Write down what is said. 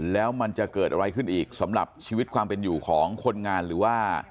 แล้วมันจะเกิดอะไรขึ้นอีกสำหรับชีวิตความเป็นอยู่ของคนงานหรือว่า